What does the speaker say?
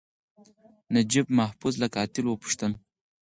نجیب محفوظ له قاتل وپوښتل.